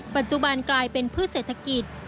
ปัจจุบันกลายเป็นพืชเศรษฐกิจ